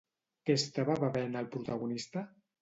Què estava bevent el protagonista?